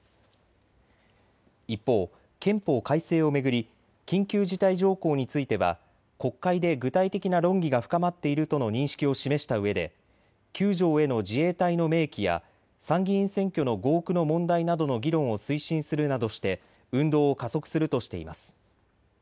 一方、憲法改正を巡り緊急事態条項については国会で具体的な論議が深まっているとの認識を示したうえで、９条への自衛隊の明記や参議院選挙の合区の問題などの議論を推進するなどして運動を加速するとしています。